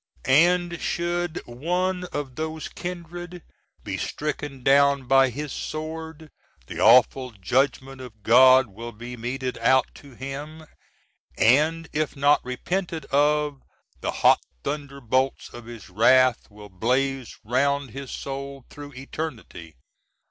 And should one of those kindred be stricken down by his sword the awful judgment of God will be meted out to him, &, if not repented of, the hot thunderbolts of His wrath will blaze round his soul through eternity.